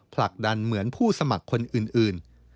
ผลักดันเหมือนผู้สมัครคนอื่น